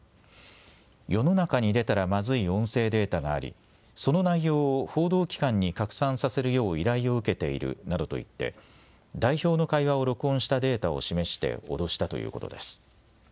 世の中に出たらまずい音声データがありその内容を報道機関に拡散させるよう依頼を受けているなどと言って代表の会話を録音したデータを示して脅したということです。